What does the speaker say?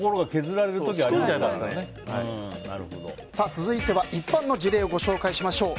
続いては一般の事例をご紹介しましょう。